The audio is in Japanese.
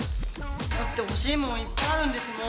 だって欲しい物いっぱいあるんですもん。